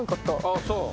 ああそう。